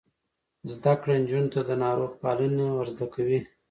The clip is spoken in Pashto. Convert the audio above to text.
زده کړه نجونو ته د ناروغ پالنه ور زده کوي.